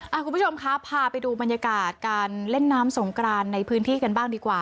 คุณผู้ชมครับพาไปดูบรรยากาศการเล่นน้ำสงกรานในพื้นที่กันบ้างดีกว่า